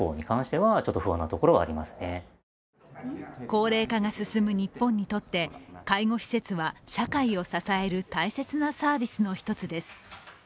高齢化が進む日本にとって、介護施設は社会を支える大切なサービスの一つです。